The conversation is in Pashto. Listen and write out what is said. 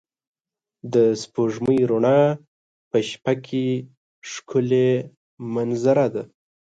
د سپوږمۍ رڼا په شپه کې ښکلی منظره ده.